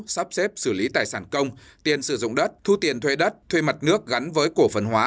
sắp xếp xử lý tài sản công tiền sử dụng đất thu tiền thuê đất thuê mặt nước gắn với cổ phần hóa